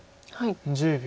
１０秒。